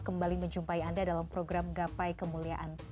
kembali menjumpai anda dalam program gapai kemuliaan